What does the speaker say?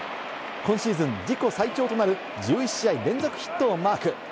今シーズン自己最長となる１１試合連続ヒットをマーク。